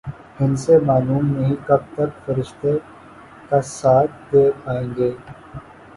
ہندسے معلوم نہیں کب تک فرشتے کا ساتھ دے پائیں گے۔